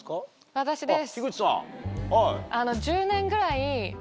私です。